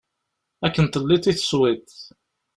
Akken telliḍ i teswiḍ.